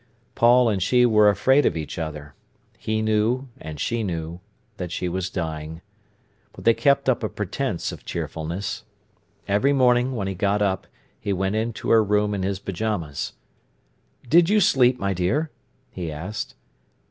Paul and she were afraid of each other. He knew, and she knew, that she was dying. But they kept up a pretence of cheerfulness. Every morning, when he got up, he went into her room in his pyjamas. "Did you sleep, my dear?" he asked.